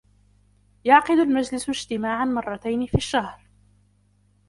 يعقد المجلس اجتماعا مرتين في الشهر.